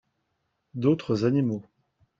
D'autres animaux.